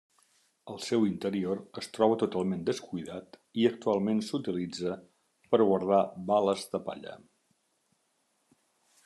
El seu interior es troba totalment descuidat, i actualment s'utilitza per guardar bales de palla.